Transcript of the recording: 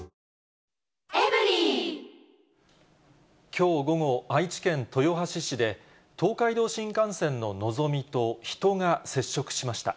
きょう午後、愛知県豊橋市で、東海道新幹線ののぞみと人が接触しました。